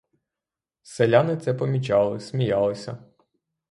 Селяни це помічали — сміялися.